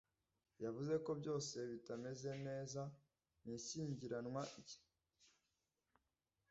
Yavuze ko byose bitameze neza mu ishyingiranwa rye.